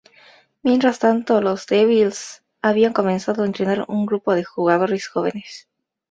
Mientras tanto, los "Devils" habían comenzado a entrenar un grupo de jugadores jóvenes.